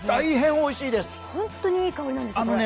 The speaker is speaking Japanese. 本当にいい香りなんですよ。